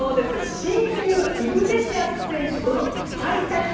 親友、イグレシアス選手とのハイタッチ。